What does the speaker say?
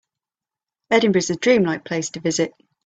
Edinburgh is a dream-like place to visit.